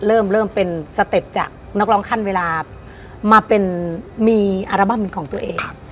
เริ่มเป็นสเต็ปจากนักร้องขั้นเวลามาเป็นมีอัลบั้มเป็นของตัวเอง